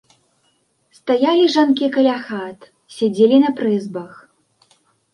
Стаялі жанкі каля хат, сядзелі на прызбах.